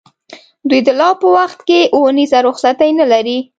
دوی د لو په وخت کې اونیزه رخصتي نه لري.